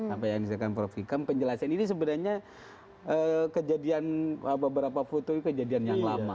apa yang disampaikan prof vikam penjelasan ini sebenarnya kejadian beberapa foto itu kejadian yang lama